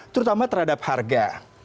terutama terhadap harga